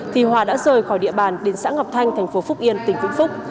thì hòa đã rời khỏi địa bàn đến xã ngọc thanh thành phố phúc yên tỉnh vĩnh phúc